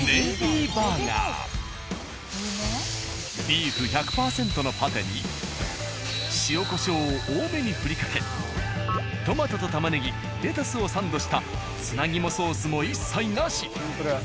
ビーフ１００％のパテに塩胡椒を多めに振りかけトマトとタマネギレタスをサンドしたつなぎもソースも一切なし。